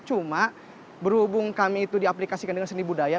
cuma berhubung kami itu diaplikasikan dengan seni budaya